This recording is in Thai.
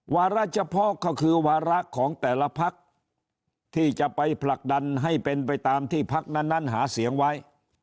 วาระเฉพาะก็คือวาระของแต่ละพักที่จะไปผลักดันให้เป็นไปตามที่พักนั้นหาเสียงไว้